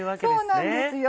そうなんですよ。